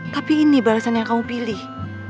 tapi ini balasan yang kamu pilih